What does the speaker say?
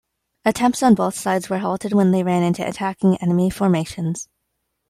Attempts on both sides were halted when they ran into attacking enemy formations.